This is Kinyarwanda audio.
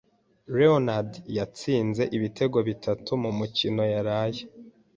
Reonaldo yatsinze ibitego bitatu mumikino yaraye.